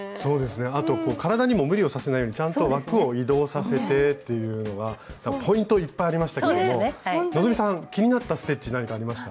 あと体にも無理をさせないようにちゃんと枠を移動させてっていうのがポイントいっぱいありましたけども希さん気になったステッチ何かありました？